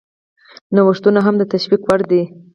نوښتونه هم د تشویق وړ دي.